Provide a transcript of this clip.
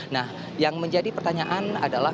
nah yang menjadi pertanyaan adalah